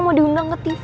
dia mau diundang ke tv